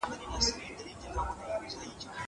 دتوپ و ټانک او د راکيټ په جنګ کي نه غورځيدی